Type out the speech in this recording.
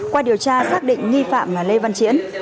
qua điều tra xác định nghi phạm là lê văn chiến